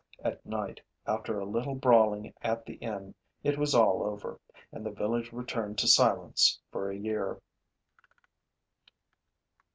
At night, after a little brawling at the inn, it was all over; and the village returned to silence for a year.